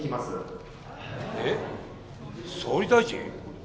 えっ総理大臣？